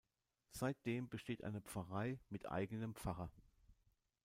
Seitdem besteht eine Pfarrei mit eigenem Pfarrer.